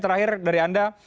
terakhir dari anda